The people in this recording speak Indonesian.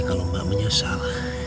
kalo mbak menyesal